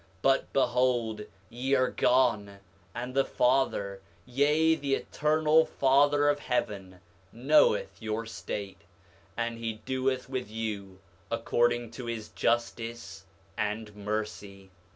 But behold, ye are gone, and the Father, yea, the Eternal Father of heaven, knoweth your state; and he doeth with you according to his justice and mercy.